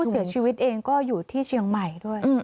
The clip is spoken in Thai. เสียชีวิตเองก็อยู่ที่เชียงใหม่ด้วย